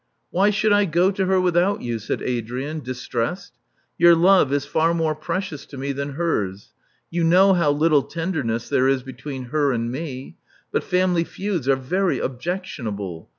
Why should I go to her without you?" said Adrian, distressed. Your love is far more precious to me than hers. You know how little tenderness there is between her and me. But family feuds are very objectionable.